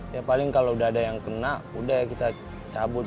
ya paling kalau udah ada yang kena udah ya kita cabut